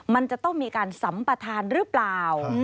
มันจะต้องมีการสัมปทานหรือเปล่า